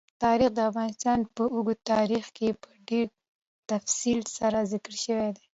تاریخ د افغانستان په اوږده تاریخ کې په ډېر تفصیل سره ذکر شوی دی.